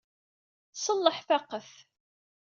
Ṣleḥ taqqet.